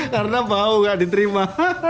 karena bau nggak diterima